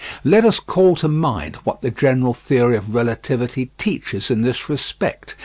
Let us call to mind what the general theory of relativity teaches in this respect.